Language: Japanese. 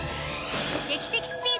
劇的スピード！